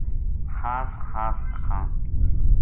خاص خاص اکھان